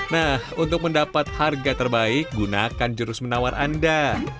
nah untuk mendapat harga terbaik gunakan jurus menawar anda